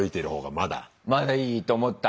まだいいと思った？